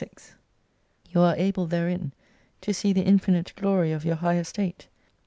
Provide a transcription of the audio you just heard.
26 You are able therein to see the infinite glory of your high estate.